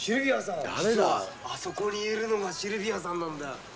実はあそこにいるのがシルビアさんなんだよ。